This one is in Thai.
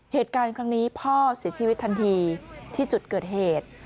เหตุการณ์ครั้งนี้พ่อเสียชีวิตทันทีที่จุดเกิดเหตุ